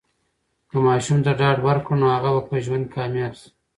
که ماشوم ته ډاډ ورکړو، نو هغه به په ژوند کې کامیاب سي.